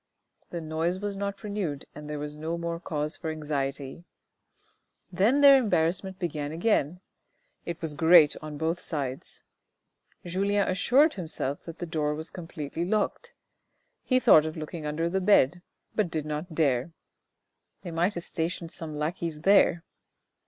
The noise was not renewed and there was no more cause for anxiety. Then their embarrassment began again; it was great on both sides. Julien assured himself that the door was completely locked ; he thought of looking under the bed, but he did not dare ;" they might have stationed one or two lackeys there."